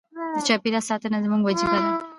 د چاپیریال ساتنه زموږ وجیبه ده.